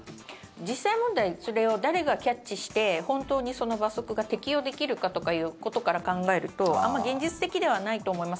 実際問題それを誰がキャッチして本当にその罰則が適用できるかとかいうことから考えると、あまり現実的ではないと思います。